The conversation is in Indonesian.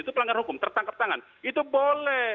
itu pelanggaran hukum tertangkap tangan itu boleh